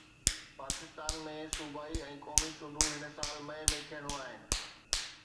پاڪستان ۾ صوبائي ۽ قومي چونڊون هن سال مئي ۾ ٿيڻيون آهن